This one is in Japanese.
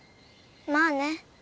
まあね。